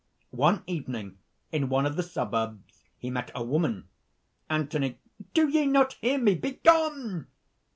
"One evening, in one of the suburbs, he met a woman." ANTHONY. "Do ye not hear me? Begone!"